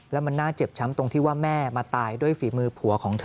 แล้วมันน่าเจ็บช้ำตรงที่ว่าแม่มาตายด้วยฝีมือผัวของเธอ